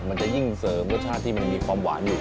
มันจะยิ่งเสริมรสชาติที่มันมีความหวานอยู่